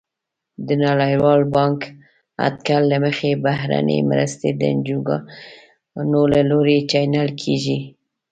د نړیوال بانک اټکل له مخې بهرنۍ مرستې د انجوګانو له لوري چینل کیږي.